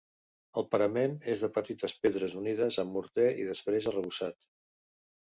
El parament és de petites pedres unides amb morter i després arrebossat.